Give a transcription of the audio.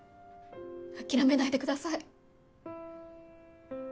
諦めないでください。